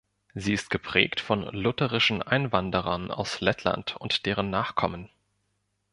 Sie ist geprägt von lutherischen Einwanderern aus Lettland und deren Nachkommen.